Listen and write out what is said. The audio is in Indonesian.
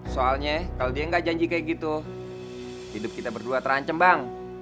soalnya kalau dia nggak janji kayak gitu hidup kita berdua terancam bang